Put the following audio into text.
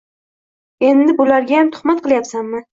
Endi bulargayam tuhmat qilyapsanmi?!